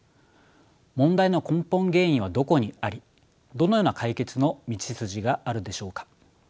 問題の根本原因はどこにありどのような解決の道筋があるでしょうか。